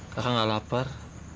kakak gak lapar